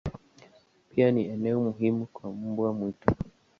Pia ni eneo muhimu kwa mbwa mwitu.